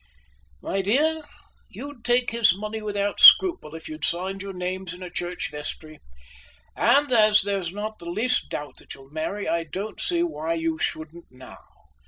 "My dear, you'd take his money without scruple if you'd signed your names in a church vestry, and as there's not the least doubt that you'll marry, I don't see why you shouldn't now.